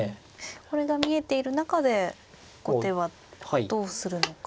これが見えている中で後手はどうするのかですね。